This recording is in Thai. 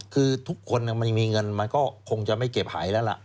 คือทุกคนมันมีเงินมันก็คงจะไม่เก็บหายแล้วล่ะ